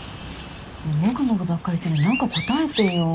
もぐもぐばっかりしてないで何か答えてよ。